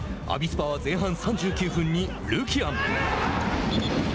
アビスパは前半３９分にルキアン。